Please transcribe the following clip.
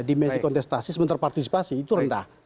dimensi kontestasi sementara partisipasi itu rendah